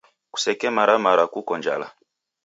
Kusekemara mara kuko njala.